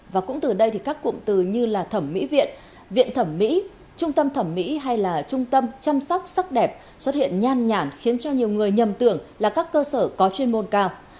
và cũng từ đây thì các cụm từ như là thẩm mỹ viện viện thẩm mỹ trung tâm thẩm mỹ hay là trung tâm chăm sóc sắc đẹp xuất hiện nhan nhản khiến cho nhiều người nhầm tưởng là các cơ sở có chuyên môn cao